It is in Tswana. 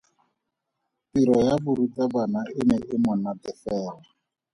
Tiro ya borutabana e ne e mo natefela.